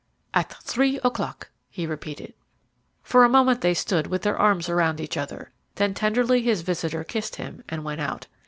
"At three o'clock," he repeated. For a moment they stood with their arms around each other, then tenderly his visitor kissed him, and went out.